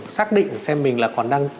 xác định xem mình là còn đang